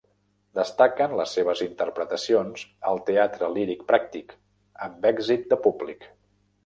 Destaquen les seves interpretacions al Teatre Líric Pràctic, amb èxit de públic.